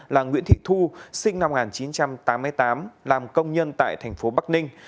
là nguyễn thị thu sinh năm một nghìn chín trăm tám mươi tám làm công nhân tại thành phố bắc ninh